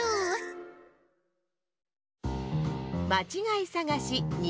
まちがいさがし２